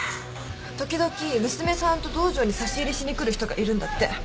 時々娘さんと道場に差し入れしに来る人がいるんだって。